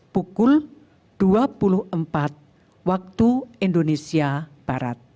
pukul dua puluh empat wib